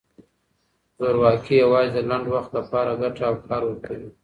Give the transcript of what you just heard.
زورواکي یوازې د لنډ وخت لپاره ګټه او کار ورکوي.